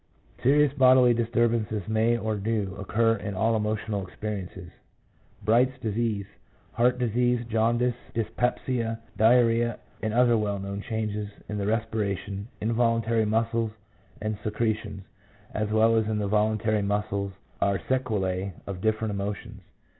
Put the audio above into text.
Serious bodily disturbances may, or do, occur in all emotional experiences. Bright's disease, heart disease, jaundice, dyspepsia, diarrhoea, and other well known changes in the respiration, involuntary muscles and secretions, as well as in the voluntary muscles, are sequelae of different emotions.